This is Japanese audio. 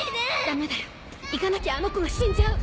ダメだよ行かなきゃあの子が死んじゃう！